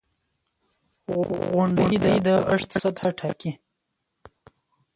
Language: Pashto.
• غونډۍ د اورښت سطحه ټاکي.